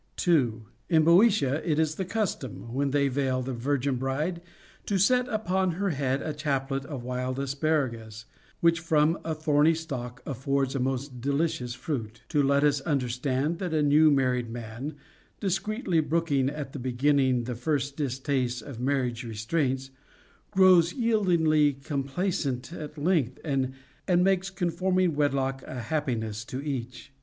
2. In Boeotia it is the custom, when they veil the virgin bride, to set upon her head a chaplet of wild asparagus, which from a thorny stalk affords a most delicious fruit, to let us understand that a new married woman, discreetly brooking at the beginning the first distastes of marriage restraints, grows yieldingly complaisant at length, and makes conforming wedlock a happiness to each.